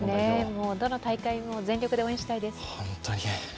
どの大会も全力で応援したいです。